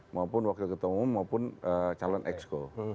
maupun wakil ketua umum maupun calon exco